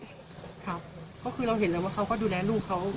นะเราคือเห็นเลยว่าเขาค่อนข้างดูแลลูกเขามี